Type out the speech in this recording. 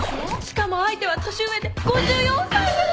しかも相手は年上で５４歳やって。